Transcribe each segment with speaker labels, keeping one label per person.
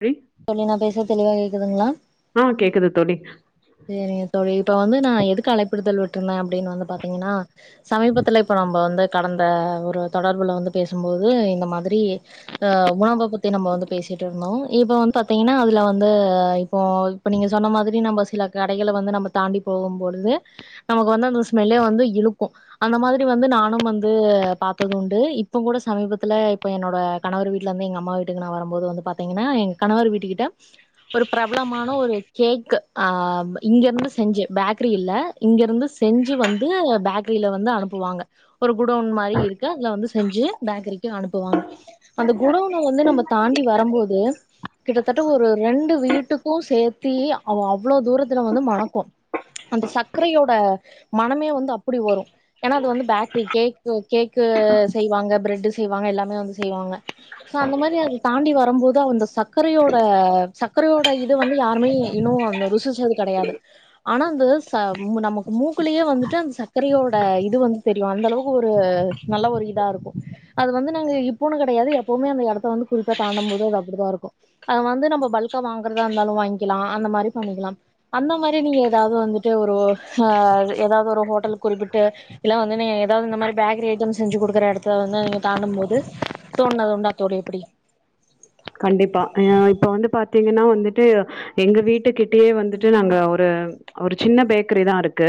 Speaker 1: drink
Speaker 2: தோழி நா phasor தெளிவா கேக்குதுங்ளா
Speaker 1: ஆ கேக்குது தோழி
Speaker 2: சேரிங்க தோழி இப்ப வந்து நா எதுக்கு அலைப்பிடுதல் விட்டேன்னா அப்டின் வந்து பாத்திங்கனா சமீபத்துல இப்ப நம்ப வந்து கடந்த ஒரு தொடர்புல வந்து பேசும்போது இந்த மாத்ரி [unintelligible] உணவ பத்தி நம்ம வந்து பேசிட்ருந்தோ இப்ப வந் பாத்தீங்கனா அதுல வந்து இப்போ இப்ப நீங்க சொன்ன மாத்ரி நம்ப சில கடைகள வந்து நம்ம தாண்டி போகும்பொழுது நமக் வந்து அந்த ஸ்மெல்லே வந்து இழுக்கு அந்த மாத்ரி வந்து நானும் வந்து பாத்தது உண்டு இப்போ கூட சமீபத்துல இப்ப என்னோட கணவர் வீட்ல இருந்து எங்க அம்மா வீட்டுக் நா வரம் போது வந்து பாத்தீங்கனா எங் கணவர் வீட்டு கிட்ட ஒரு பிரபலமான ஒரு கேக் ஆ இங்க இருந்து செஞ்சு பேக்கரி இல்ல இங்க இருந்து செஞ்சு வந்து பேக்கரியில வந்து அனுப்புவாங்க ஒரு குடவுன் மாரி இருக்கு அங்க வந்து செஞ்சு பேக்கரிக்கு அனுப்புவாங்க அந்த குடவுன வந்து நம்ம தாண்டி வரம்போது கிட்டத்தட்ட ஒரு ரெண்டு வீட்டுக் கு சேத்தி அவ் அவ்ளோ தூரத்துல வந்து மணக்கு அந்த சக்கரையோட மணமே வந்து அப்டி வரு ஏனா அது வந்து பேக்கரி கேக்கு கேக்கு செய்வாங்க ப்ரெட்டு செய்வாங்க எல்லாமே வந் செய்வாங்க சோ அந்த மாரி அத் தாண்டி வரம்போது அந்த சர்க்கரையோட சர்க்கரையோட இது வந்து யாருமே இன்னு அங்க ருசிச்சது கெடையாது ஆனா அந்த ச நமக்கு மூக்குலயே வந்துட்டு அந்த சர்க்கரையோட இது வந் தெரியு அந்த அளவுக்கு ஒரு நல்ல ஒரு இதா இருக்கு அது வந்து நாங்க இப்போன்னு கெடையாது எப்பவுமே அந்த எடத்த வந்து குறிப்பா தாண்டம்போது அது அப்டிதா இருக்கு அத வந்து நம்ம பல்கா வாங்கறதா இருந்தாலு வாங்க்லா அந்த மாரி பண்ணிக்லா அந்த மாரி நீங்க ஏதாவது வந்துட்டு ஒரு அ ஏதாவது ஒரு ஹோட்டல் குறிப்பிட்டு இலா வந்துட்னே ஏதாவது இந்த மாரி பேக்கரி ஐட்டம் செஞ்சு குடுக்குற எடத்தல வந்து நீங்க தாண்டம் போது தோண்ட்னது உண்டா தோழி அப்டி
Speaker 1: கண்டிப்பா அ இப்ப வந்து பாத்தீங்கன்னா வந்துட்டு எங்க வீட்டுக்கிட்டயே வந்துட்டு நாங்க ஒரு ஒரு சின்ன பேக்கரி தா இருக்கு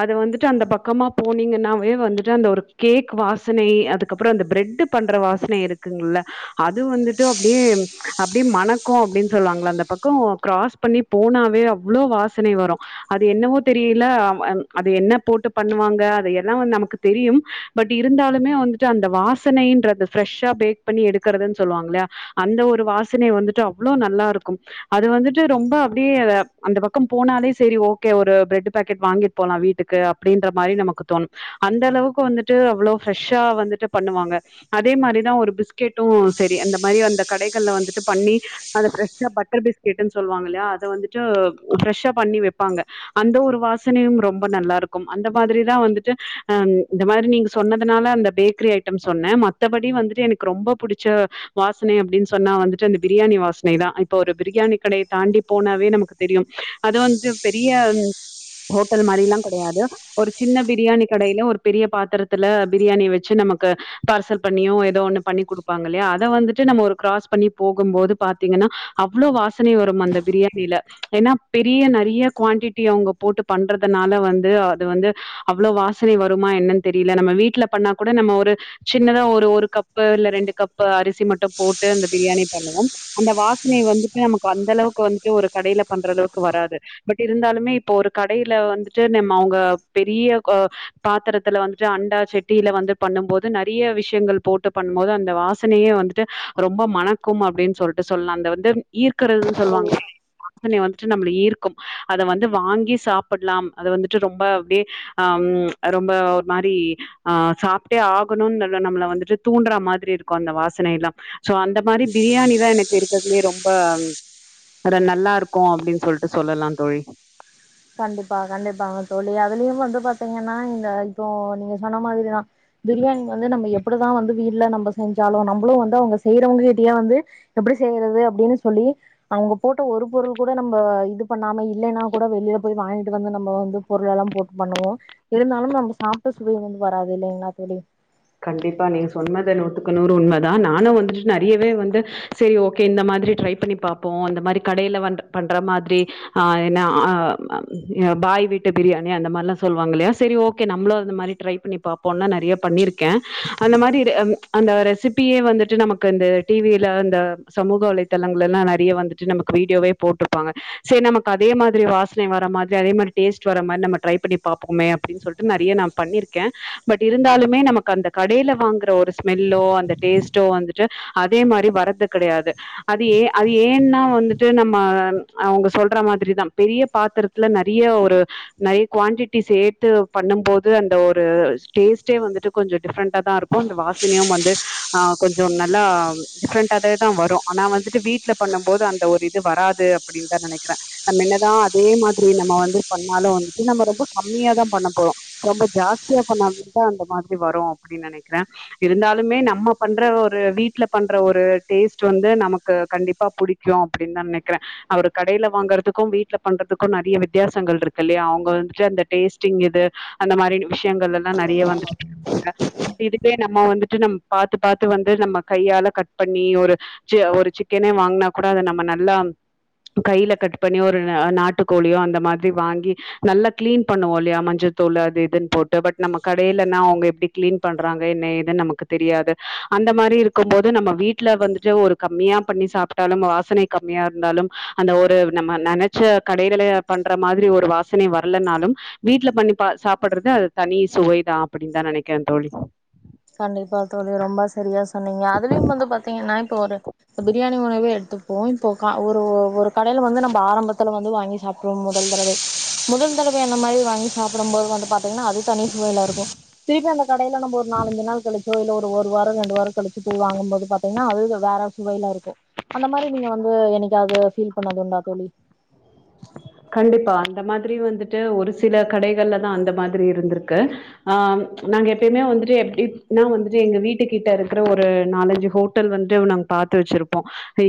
Speaker 1: அது வந்துட்டு அந்த பக்கமா போனீங்கன்னாவே வந்துட்டு அந்த ஒரு கேக் வாசனை அதுக்கப்புறோ அந்த ப்ரெட் பண்ற வாசனை இருக்குங்குல்ல அது வந்துட்டு அப்டியே அப்டியே மணக்கூ அப்டின் சொல்லுவாங்ள அந்த பக்கோ க்ராஸ் பண்ணி போனாவே அவ்ளோ வாசனை வரு அது என்னவோ தெரியில அம் அது என்ன போட்டு பண்ணுவாங்க அது எல்லா வந் நமக்கு தெரியும் பட் இருந்தாலுமே வந்துட்டு அந்த வாசனைன்றது ஃப்ரெஷ்ஷா பேக் பண்ணி எடுக்கறதுன் சொல்லுவாங்ல அந்த ஒரு வாசனை வந்துட்டு அவ்ளோ நல்லாருக்கும் அது வந்துட்டு ரொம்ப அப்டியே அத அந்த பக்கோ போனாலே செரி ஓகே ஒரு ப்ரெட் பேக்கெட் வாங்கிட் போலா வீட்டுக்கு அப்டின்ற மாரி நமக்கு தோணு அந்தளவுக்கு வந்துட்டு அவ்ளோ ஃப்ரெஷ்ஷா வந்துட்டு பண்ணுவாங்க அதே மாரிதா ஒரு பிஸ்கெட்டூ செரி அந்த மாரி அந்த கடைகள்ல வந்துட்டு பண்ணி அத ஃப்ரெஷ்ஷா பட்டர் பிஸ்கெட்டுன் சொல்லுவாங்கல்லயா அத வந்துட்டு ஃரெஷ்ஷா பண்ணி வெப்பாங்க அந்த ஒரு வாசனையு ரொம்ப நல்லா இருக்கும் அந்த மாத்ரிதா வந்துட்டு அ இந்த மாரி நீங்க சொன்னதுனால அந்த பேக்கரி ஐட்டம் சொன்னே மத்தபடி வந்துட்டு எனக்கு ரொம்ப புடிச்ச வாசனை அப்டின் சொன்னா வந்துட்டு அந்த பிரியாணி வாசனை தா இப்ப ஒரு பிரியாணி கடைய தாண்டி போனாவே நமக்கு தெரியும் அது வன்ட்டு பெரிய ஹோட்டல் மாரில்லா கெடையாது ஒரு சின்ன பிரியாணி கடைல ஒரு பெரிய பாத்தரத்துல பிரியாணி வெச்சு நமக்கு பார்சல் பண்ணியோ ஏதோ ஒண்ணு பண்ணி குடுப்பாங்கல்லயா அத வந்துட்டு நம்ம ஒரு க்ராஸ் பண்ணி போகும்போது பாத்தீங்கன்னா அவ்ளோ வாசனை வரும் அந்த பிரியாணில ஏன்னா பெரிய நெறைய குவாண்டிட்டி அவுங்க போட்டு பண்றதுனால வந்து அது வந்து அவ்ளோ வாசனை வருமா என்னன் தெரியில நம்ம வீட்ல பண்ணா கூட நம்ம ஒரு சின்னதா ஒரு ஒரு கப்பு இல்ல ரெண்டு கப்பு அரிசி மட்டு போட்டு அந்த பிரியாணி பண்ணுவோ அந்த வாசனை வந்துட்டு நமக்கு அந்த அளவுக்கு வந்துட்டு ஒரு கடைல பண்ற அளவுக்கு வராது பட் இருந்தாலுமே இப்போ ஒரு கடைல வந்துட்டு நம்ம அவுங்க பெரிய அ பாத்தரத்துல வந்துட்டு அண்டா சட்டில வந்து பண்ணும் போது நெறைய விஷ்யங்கள் போட்டு பண்ணும்போது அந்த வாச னையே வந்துட்டு ரொம்ப மணக்கும் அப்டின் சொல்ட்டு சொல்லா அந்த வந்து ஈர்க்கறதுன் சொல்வாங்களே வாசனை வந்துட்டு நம்ள ஈர்க்கும் அத வந்து வாங்கி சாப்பட்லாம் அத வந்துட்டு ரொம்ப அப்டே அம் ரொம்ப ஒரு மாரி ஆ சாப்ட்டே ஆகணுன்னுல்ல நம்ள வந்துட்டு தூண்ட்ற மாதிரி இருக் கு அந்த வாசனைலா சோ அந்த மாரி பிரியாணி தா எனக்கு இருக்கற்துலே ரொம்ப ஒரு நல்லாருக்கு அப்டின் சொல்ட்டு சொல்லலா தோழி
Speaker 2: கண்டிப்பா கண்டிப்பாங்க தோழி அதுலயு வந்து பாத்தீங்கனா இங்க இப்போ நீங்க சொன்ன மாதிரிதா பிரியாணி வந்து நம்ம எப்பிடிதா வந்து வீட்ல நம்ப செஞ்சாலு நம்பளு வந்து அவுங்க செய்றவங்ககிட்டயே வந்து எப்டி செய்யறது அப்டினு சொல்லி அவுங்க போட்ட ஒரு பொருள் கூட நம்ப இது பண்ணாம இல்லனா கூட வெளில போய் வாங்கிட்டு வந்து நம்ப வந்து பொருளெல்லா போட்டு பண்ணுவோ இருந்தாலும் நம்ப சாப் ட்ட சுவை வந்து வராதில்லைங்ளா தோழி
Speaker 1: கண்டிப்பா நீங்க சொன்னது நூத்துக்கு நூறு உண்மதா நானு வந்துட்டு நெறையவே வந்து சேரி ஓகே இந்த மாதிரி ட்ரை பண்ணி பாப்போ இந்த மாரி கடைல வன்ற பண்ற மாதிரி ஆ என்ன ஆ அ பாய் வீட்டு பிரியாணி அந்த மார்ல்லா சொல்வாங்கில்லயா செரி ஓகே நம்ப்ளு அந்த மாரி ட்ரை பண்ணி பாப்போன்லா நெறைய பண்ணிருக் கே அந்த மாரி டெ ம் அந்த ரெசிப்பியே வந்துட்டு நமக்கு இந்த டி வி ல இந்த சமூக வலை தளங்ளெல்லா நெறைய வந்துட்டு நமக்கு வீடியோவே போட்ருப்பாங்க சேரி நமக்கு அதே மாதிரி வாசனை வர மாதிரி அதே மாதிரி டேஸ்ட் வர மாரி நம்ம ட்ரை பண்ணி பாப்போமே அப்டின் சொல்ட்டு நெறைய நா பண்ணிருக்கே பட் இருந்தாலுமே நமக் அந்த கடைல வாங்ற ஒரு ஸ்மெல்லோ அந்த டேஸ்ட்டோ வந்துட்டு அதே மாரி வரது கெடையாது அது ஏ அது ஏன்னா வந்துட்டு நம்ம அவுங்க சொல்ற மாதிரிதா பெரிய பாத்தரத் துல நெறைய ஒரு நெறைய க்வாண்டிட்டி சேத்து பண்ணம் போது அந்த ஒரு டேஸ்ட்டே வந்துட்டு கொஞ்சோ டிஃப்ரண்ட்டா தா இருக்கு இந்த வாசனையும் வந்து ஆ கொஞ்சோ நல்லா டிஃப்ரெண்ட்டாவே தா வரு ஆனா வந்துட்டு வீட்லா பண்ணம்போது அந்த ஒரு இது வராது அப்படின் தா நெனைக்கிறே நம்ம என்னதா அதே மாதிரி நம்ம வந்து பண்ணாலு வந்துட்டு நம்ம ரொம்ப கம்மியாதா பண்ண போறோ ரொம்ப ஜாஸ்தியா பண்ணா [inaudible] தா அந்த மாதிரி வரு அப்படின் நெனைக்கிறே இருந்தாலுமே நம்ம பண்ற ஒரு வீட்ல பண்ற ஒரு டேஸ்ட் வந்து நமக்கு கண்டிப் பா புடிக்கு அப்டின் தா நெனைக்கிறே அவரு கடைலா வாங்கறத்துக்கு வீட்ல பண்றத்துக்கு நெறைய வித்தியாசங்கள்ருக்கில்லயா அவுங்க வந்துட்டு அந்த டேஸ்ட்டிங் இது அந்த மாரி விஷ்யங்கள் எல்லா நெறைய வந்துட்டு லா இதுவே நம்ம வந்துட்டு நம் பாத்து பாத்து வந்து நம்ம கையால கட் பண்ணி ஒரு சே ஒரு சிக்கனே வாங்னா கூட அத நம்ம நல்லா கைல கட் பண்ணி ஒரு அ நாட்டுக்கோழியோ அந்த மாதிரி வாங்கி க்ளீன் பண்ணுவோ இல்லயா மஞ்சத்தூளு அது இதுன் போட்டு பட் நம்ம கடைலன்னா அவங்க எப் க்ளீன் பண்றாங்க என்ன ஏதுன் நமக்கு தெரியாது அந்த மாரி இருக்கும்போது நம்ம வீட்ல வந்துட்டு ஒரு கம்மியா பண்ணி சாப்ட்டாலும் வாசனை கம்மியா இருந்தாலும் அந்த ஒரு நம்ம நெனச்ச கடைளிலே பண்ற மாதிரி ஒரு வாசனை வர்லனாலும் வீட்ல பண்ணி பா சாப்பட்றது அது தனி சுவைதா அப்படின் தா நெனைக்கிறே தோழி
Speaker 2: கண்டிப்பா தோழி ரொம்ப சரியா சொன்னீங்க அதுலயும் வந்து பாத்தீங்கன்னா இப்போ ஒரு பிரியாணி உணவே எடுத்துப்போ இப்போ க ஒரு ஓ ஒரு கடைல வந்து நம்ப ஆரம்பத்துல வந்து வாங்கி சாப் கும் முதல் தடவை முதல் தடவை அந்த மாரி வாங்கி சாப்படம்போது வந்து பாத்தீங்ன்னா அது தனி சுவைல இருக்கு திருப்பி அந்த கடைல நம்ப ஒரு நாலஜ்சு நாள் கழிச்சோ இல்ல ஒரு வாரோ ரெண்டு வாரோ கழிச்சு போய் வாங்கும்போது பாத்தீங்கன்னா அது வேற சுவையில இருக்கு அந்த மாரி நீங்க வந்து என்னைக்காது ஃபீல் பண்ணது உண்டா தோழி
Speaker 1: கண்டிப்பா அந்த மாதிரி வந்துட்டு ஒரு சில கடைகள்ல தா அந்த மாதிரி இருந்திருக்கு அ நாங்க எப்பயுமே வந்துட்டு எப்டு இப்னா வந்துட்டு எங்க வீட்டு கிட்ட இருக்கற ஒரு நாலஞ்சு ஹோ ட்டல் வந்துட்டு நாங்க பாத்து வச்சிருப்போ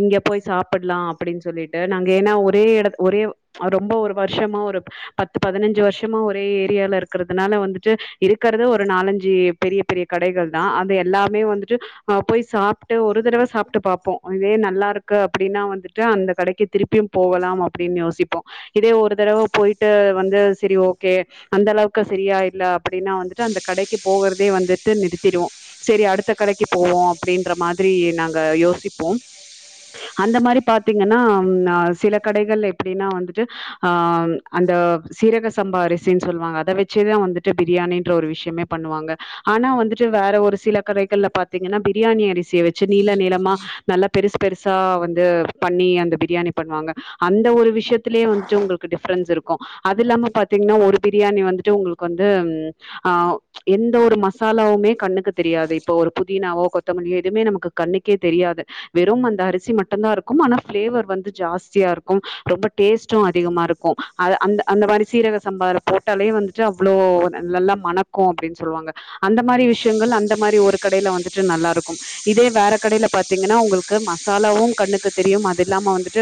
Speaker 1: இங்க போய் சாப்பிட்லா அப்டின்னு சொல்லிட்டு நாங்க ஏனா ஒரே எட ஒரே அ ரொம்ப ஒரு வருஷமா ஒரு பத்து பதினஞ்சு வருஷமா ஒரே ஏரியால இருக்கறதுனால வந்துட்டு இருக்கறத ஒரு நாலஞ்சு பெரிய பெரிய கடைகள் தா அது எல்லாமே வந்துட்டு அ போய் சாப்ட்டு ஒரு தடவ சாப்ட்டு பாப்போ இதே நல்லா இருக்கு அப்படின்னா வந்துட்டு அந்த கடைக்கு திருப்பியு போவலாம் அப்படின்னு யோசிப்போ இதே ஒரு தடவ போயிட்டு வந்து செரி ஓகே அந்த அளவுக்கு சரியா இல்ல அப்படின்னா வந்துட்டு அந்த கடைக்கு போகறதே வந்துட்டு நிறுத்திடுவோ சேரி அடுத்த கடைக்கு போவோ அப்படின்ற மாரி நாங்க யோசிப்போ அந்த மாரி பாத்தீங்கன்னா னா சில கடைகள எப்படின்னா வந் துட்டு ஆ அந்த சீரக சம்பா அரிசின்னு சொல்லுவாங்க அத வச்சுதா வந்துட்டு பிரியாணின்ற ஒரு விஷயமே பண்ணுவாங்க ஆனா வந்துட்டு வேற ஒரு சில கடைகள்லா பாத்தீங்கன்னா பிரியாணி அரிசிய வச்சு நீள நீளமா நல்லா பெருசு பெருசா வந்து பண்ணி அந்த பிரியாணி பண்ணுவாங்க அந்த ஒரு விஷய த்துலே வந்துட்டு உங்களுக்கு டிஃப்ரன்ஸ் இருக்கு அது இல்லாம பாத்தீங்கன்னா ஒரு பிரியாணி வந்துட்டு உங்களுக்கு வந்து ஆ எந்த ஒரு மசாலாவுமே கண்ணுக்கு தெரியாது இப்போ ஒரு புதினாவோ கொத்தமல்லியோ எதுவுமே நமக்கு கண்ணுக்கே தெரியாது வெறு அந்த அரிசி மட்டுந்தா இருக்கு ஆனா ஃபிளேவர் வந்து ஜாஸ்தியா இருக்கு ரொம்ப டேஸ்ட்டு அதிகமா இருக்கு அத அந்த அந்த மாரி சீரக சம்பார போட்டாலே வந்துட்டு அவ்ளோ நல்லா மன க்கு அப்படின்னு சொல்லுவாங்க அந்த மாரி விஷயங்கள் அந்த மாரி ஒரு கடையில வந்துட்டு நல்லா இருக்கும் இதே வேற கடையில பாத்தீங்கன்னா உங்களுக்கு மசாலாவும் கண்ணுக்கு தெரியும் அது இல்லாம வந்துட்டு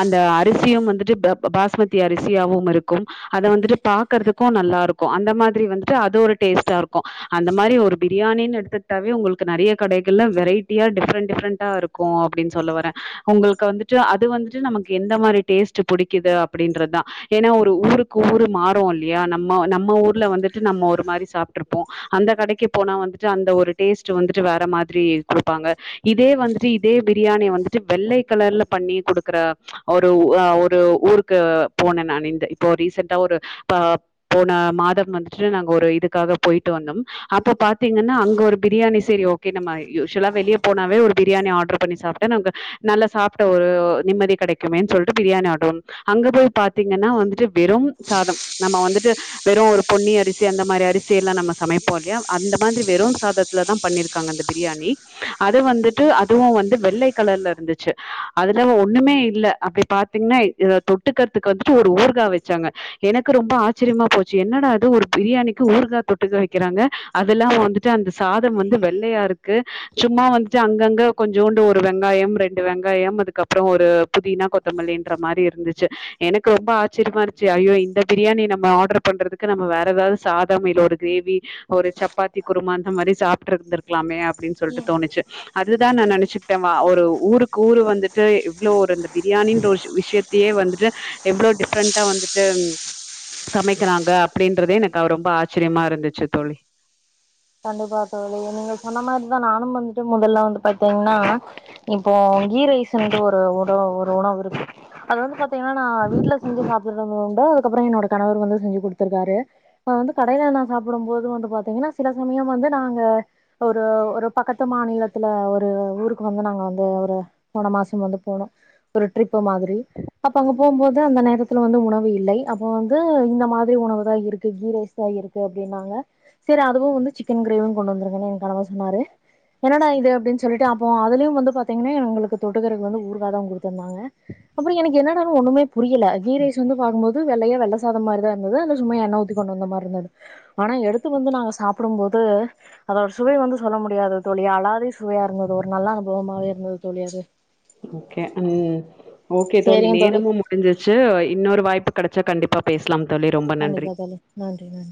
Speaker 1: அந்த அரிசியும் வந்துட்டு ப்ர பாஸ்மதி அரிசியாவும் இருக்கும் அத வந்துட்டு பாக்கறதுக்கு நல்லா இருக்கு அந்த மாதிரி வந்துட்டு அது ஒரு டேஸ்ட்டா இருக்கு அந்த மாரி ஒரு பிரியாணின்னு எடுத்துக்ட்டாவே உங்களுக்கு நறைய கடைகள்லா வெரைட்டியா டிஃப்ரென்ட் டிஃப்ரென்ட்டா இருக் கு அப்டின்னு சொல்ல வர உங்களுக்கு வந்துட்டு அது வந்துட்டு நமக்கு எந்த மாரி டேஸ்ட்டு புடிக்குது அப்டின்றதா ஏனா ஒரு ஊருக்கு ஊரு மாறு இல்லயா நம் ம நம்ம ஊர்ல வந்துட்டு நம்ம ஒரு மாரி சாப்ட்டுருப்போ அந்த கடைக்கு போனா வந்துட்டு அந்த ஒரு டேஸ்ட்டு வந்துட்டு வேற மாதிரி குடுப்பாங்க இதே வந்துட்டு இதே பிரியாணிய வந்துட்டு வெள்ளை கலர்ல பண்ணி குடுக்குற ஒரு அ ஒரு ஊருக்கு போன நானு இந்த இப்போ ரீசென்ட்டா ஒரு ப போன மாதம் வந்துட்டு நாங்க ஒரு இதுக்காக போயிட்டு வந்தோம் அப்ப பாத்தீங்கன்னா அங்க ஒரு பிரியாணி சரி ஓகே நம்ம யூஷ்வலா வெளிய போனாவே ஒரு பிரியாணி ஆர்டர் பண்ணி சாப்ட்டு நமக்கு நல்ல சாப்ட்ட ஒரு நிம்மதி கடைக் குபேரன் சொல்ட்டு பிரியாணி ஆட்டொன் அங்க போய் பாத்தீங்கன்னா வந்துட்டு வெறு சாதம் நம்ம வந்துட்டு வெரு ஒரு பொன்னி அரிசி அந்த மாரி அரிசி எல்லா நம்ம சமைப்போ இல்லயா அந்த மாரி வெரு சாதத் லதா பண்ணி இருக்காங்க அந்த பிரியாணி அது வந்துட்டு அதுவு வந்து வெள்ளை கலர்ல இருந்துச்சு அதுல ஒண்ணுமே இல்ல அப்படி பாத்தீங்கன்னா இத தொட்டுக்கற்த்துக்கு வந்துட்டு ஒரு ஊர்கா வச்சாங்க எனக்கு ரொம்ப ஆச்சரியமா போச்சு என்னடா இது ஒரு பிரியாணிக்கு ஊருகா தொட்டுக்க வைக்கிறாங்க அதில்லாமா வந்துட்டு அந்த சாதம் வந்து வெள்ளையா இருக்கு சும்மா வந்துட்டு அங்கங்க கொஞ்சோண்டு ஒரு வெங்காயோ ரெண்டு வெங்காயோ அதுக்கப்றோ ஒரு புதினா கொத்தமல்லின்ற மாரி இருந்துச்சு எனக்கு ரொம்ப ஆச்சரியமா இருச்சு ஐயோ இந்த பிரியாணி நம்ம ஆர்டர் பண்றதுக்கு நம்ம வேற ஏதாவது சாதம் இல்ல கிரேவி ஒரு சப்பாத்தி குருமா அந்த மாரி சாப்ட்டு இருந்திருக்கலாமே அப்டின்னு
Speaker 2: ம்
Speaker 1: சொல்லிட்டு தோணுச்சு அதுதா நா நெனைச்சுக்கிட்டேமா ஒரு ஊருக்கு ஊரு வந்துட்டு இவ்ளோ ஒரு பிரியாணின்ற ஒரு விஷயத்தையே வந்துட்டு எவ்ளோ டிஃப்ரெண்டா வந்துட்டு சமைக்கிறாங்க அப்டின்றதே எனக்கு ரொம்ப ஆச்சரியமா இருந்துச்சு தோழி
Speaker 2: கண்டிப்பா தோழி நீங்க சொன்ன மாரிதா நானு வந்துட்டு முதல்ல வந்து பாத்தீங்கன்னா இப்போ கீ ரைஸ்ட்டு ஒரு உணவு ஒரு உணவு இருக்கு அது வந்து பாத்தீங்கன்னா நா வீட்ல செஞ்சு பாத்துட்டு உண்டு அதுக்கப்புற என்னோட கணவர் வந்து செஞ்சு கொடுத்துருக்காரு அத வந்து கடைல நா சாப்பிடு போது வந்து பாத்தீங்கன்னா சில சமயம் வந்து நாங்க ஒரு ஒரு பக்கத்து மாநிலத்துல ஒரு ஊருக்கு வந்து நாங்க வந்து ஒரு போன மாச வந்து போனோ ஒரு ட்ரிப்பு மாரி அப்ப அங்க போகும்போது அந்த நேரத்துல வந்து உணவு இல்ல அப்ப வந்து இந்த மாரி உணவு தா இருக்கு கீரை அதான் இருக்கு அப்டின்னாங்க செரி அதுவு வந்து சிக்கன் கிரேவியு கொண்டு வந்திருங்கன்னு எனக்கு கனவரு சொன்னாரு என்னடா இது அப்டின்னு சொல்லிட்டு அப்போ அதுலயு வந்து பாத்தீங்கன்னா எங்களுக்கு தொட்டுக்கரைக்கு வந்து ஊருக்காக தா [unintelligible] கொடுத்திருந்தாங்க அப்றோ எனக்கு என்னடான்ன ஒண்ணுமே புரில கீரேஷ் வந்து வெள்ளைய வெள்ள சாத மாரி இருந்தது அ சும்மா எண்ண ஊற்றி கொண்டு வந்த மாரி இருந்தது ஆனா எடுத்து வந்து சாப்டும்போது அதோ சுவை வந்து சொல்ல முடியாது தோழியா அழாதே சுவையா இருந்தது ஒரு நல்ல அனுபவமாவே இருந்தது தோழி அது
Speaker 1: கே ம் ஓகே தோழி நேரமு முடிஞ்சுச்சு இன்னொரு வாய்ப்பு கி கெடைச்சா கண்டிப்பா பேசலாம் தோழி ரொம்ப நன்றி
Speaker 2: கண்டிப்பா தோழி நன்றி நன்றி